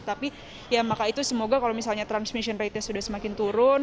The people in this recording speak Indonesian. tapi semoga kalau transmission ratenya sudah semakin turun